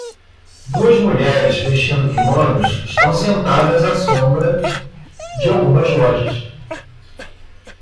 Duas mulheres vestindo quimonos estão sentadas à sombra de algumas lojas.